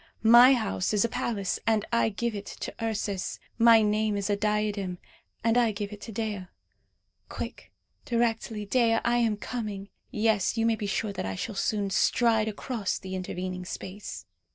My house is a palace, and I give it to Ursus. My name is a diadem, and I give it to Dea. Quick, directly, Dea, I am coming; yes, you may be sure that I shall soon stride across the intervening space!"